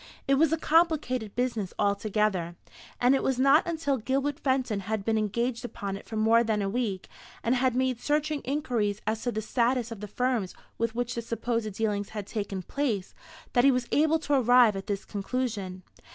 It was a complicated business altogether; and it was not until Gilbert Fenton had been engaged upon it for more than a week, and had made searching inquiries as to the status of the firms with which the supposed dealings had taken place, that he was able to arrive at this conclusion.